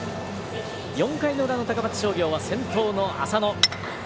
４回の裏の高松商業は先頭の浅野。